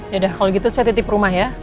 yaudah kalau gitu saya titip rumah ya